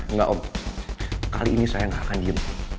enggak om kali ini saya nggak akan diem